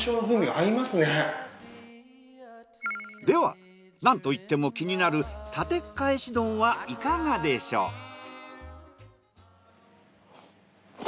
ではなんといっても気になるたてっかえし丼はいかがでしょう？